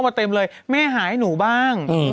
แม่หาให้หนูบ้าง